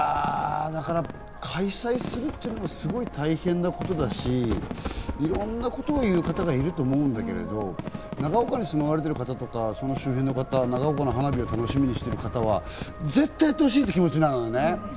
開催するっていうのも大変なことだし、いろんなことを言う方がいると思うんだけど、長岡に住まわれている方とか、その周辺の方、長岡の花火を楽しみにしている方は絶対やってほしいって気持ちなのよね。